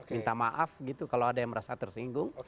minta maaf gitu kalau ada yang merasa tersinggung